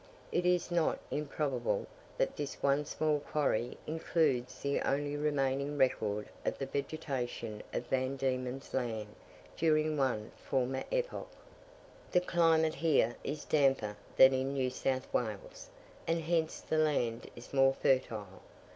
It is not improbable that this one small quarry includes the only remaining record of the vegetation of Van Diemen's Land during one former epoch. The climate here is damper than in New South Wales, and hence the land is more fertile.